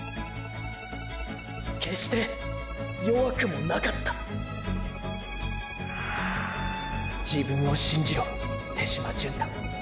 決して弱くもなかった自分を信じろ手嶋純太。